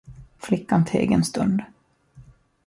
Flickan teg en stund.